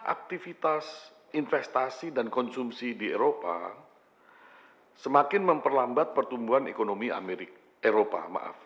aktivitas investasi dan konsumsi di eropa semakin memperlambat pertumbuhan ekonomi eropa maaf